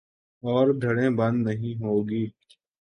اور دھڑے بندی نہیں ہو گی۔